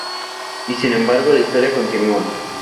Y sin embargo la historia continúa.